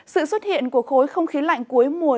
sự xuất hiện của khối không khí lạnh cuối mùa